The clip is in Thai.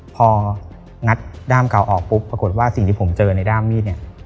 พองัดด้ามเก่าออกปุ๊บปรากฏว่าสิ่งที่ผมเจอในด้ามมีดเนี่ย